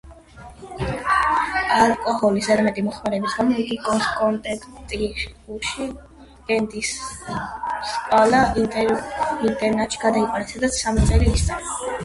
ალკოჰოლის ზედმეტი მოხმარების გამო იგი კონექტიკუტში, კენტის სკოლა-ინტერნატში გადაიყვანეს, სადაც სამი წელი ისწავლა.